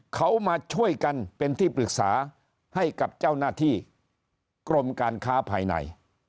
เขามาช่วยกันเป็นที่ปรึกษาให้กับเจ้าหน้าที่กรมการค้าภายใน